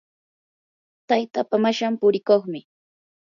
taytapaa mashan purikuqmi.